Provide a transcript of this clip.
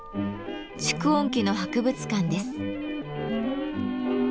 蓄音機の博物館です。